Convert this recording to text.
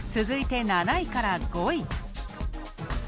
続いて、７位から５位。